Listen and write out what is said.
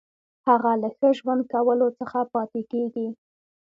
هغه له ښه ژوند کولو څخه پاتې کیږي.